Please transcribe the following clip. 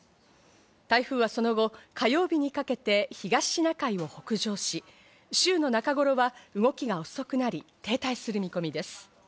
台風はその後、火曜日にかけて東シナ海を北上し、週の中頃は動きが遅くなり停滞する見込みです。